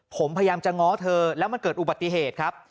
ผมพยายามจะง้อเธอแล้วมันเกิดอุบัติเหตุครับ